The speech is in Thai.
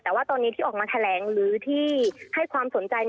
แต่ว่าตอนนี้ที่ออกมาแถลงหรือที่ให้ความสนใจ